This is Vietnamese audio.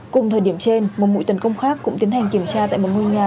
cùng thời điểm trên một mũi tấn công khác cũng tiến hành kiểm tra tại một ngôi nhà